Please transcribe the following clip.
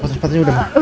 coba cepat aja udah mak